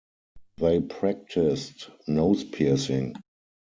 They practiced nose piercing.